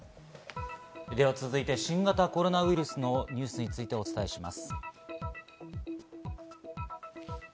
続いて新型コロナウイルスについてお伝えします。